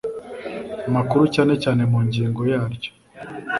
makuru cyane cyane mu ngingo yaryo